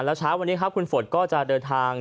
แล้วเช้าวันนี้ครับคุณฝนก็จะเดินทาง